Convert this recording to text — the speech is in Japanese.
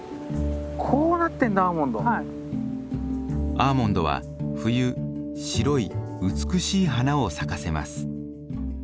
アーモンドは冬白い美しい花を咲かせます。